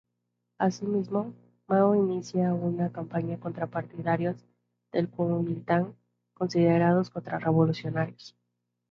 Asimismo, Mao inicia una campaña contra partidarios del Kuomintang considerados contrarrevolucionarios.